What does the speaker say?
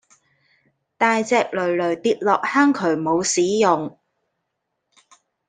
大隻騾騾跌落坑渠冇屎用